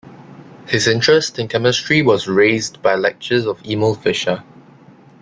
His interest in chemistry was raised by lectures of Emil Fischer.